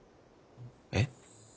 えっ？